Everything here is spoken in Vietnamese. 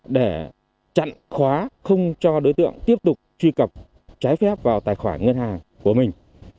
để chặn khóa không cho đối tượng tiếp tục truy cập trái phép vào tài khoản ngân hàng của mình